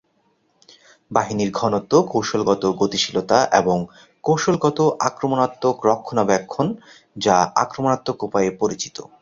বাহিনীর ঘনত্ব, কৌশলগত গতিশীলতা, এবং কৌশলগত আক্রমণাত্মক রক্ষণাবেক্ষণ যা আক্রমণাত্মক উপায়ে পরিচিত।